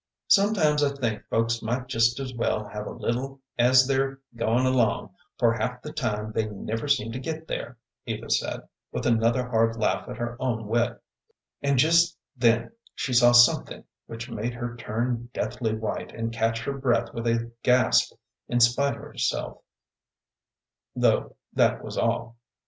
"Sometimes I think folks might just as well have a little as they're goin' along, for half the time they never seem to get there," Eva said, with another hard laugh at her own wit; and just then she saw something which made her turn deathly white, and catch her breath with a gasp in spite of herself, though that was all.